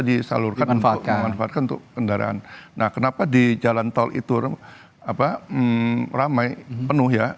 disalurkan untuk memanfaatkan untuk kendaraan nah kenapa di jalan tol itu apa ramai penuh ya